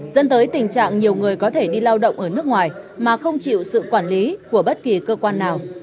dẫn tới tình trạng nhiều người có thể đi lao động ở nước ngoài mà không chịu sự quản lý của bất kỳ cơ quan nào